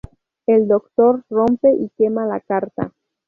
El doctor rompe y quema la carta.